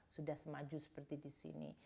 sudah semaju seperti di sini